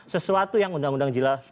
sesuatu yang undang undang jelas